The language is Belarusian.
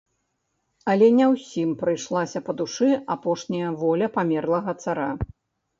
Але не ўсім прыйшлася па душы апошняя воля памерлага цара.